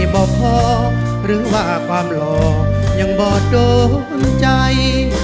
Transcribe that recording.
บ่พอหรือว่าความหล่อยังบ่โดนใจ